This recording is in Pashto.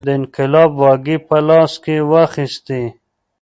د انقلاب واګې په لاس کې واخیستې.